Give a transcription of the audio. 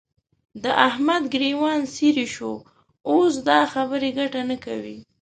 د احمد ګرېوان څيرې شو؛ اوس دا خبرې ګټه نه کوي.